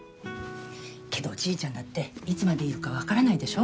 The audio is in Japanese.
けどじいちゃんだっていつまでいるかわからないでしょ？